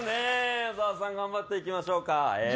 小沢さん頑張っていきましょうか。